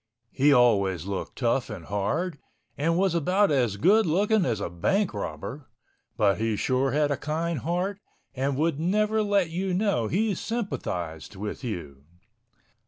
He always looked tough and hard and was about as good looking as a bank robber, but he sure had a kind heart and would never let you know he sympathized with you.